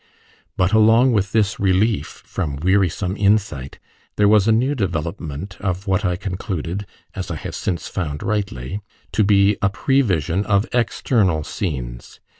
But along with this relief from wearisome insight, there was a new development of what I concluded as I have since found rightly to be a prevision of external scenes.